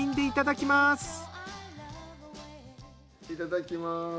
いただきます。